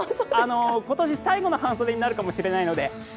今年最後の半袖になるかもしれないので。